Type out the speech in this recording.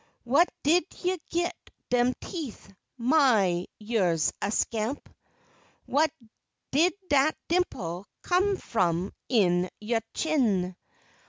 Whah did you git dem teef? My, you's a scamp! Whah did dat dimple come f'om in yo' chin?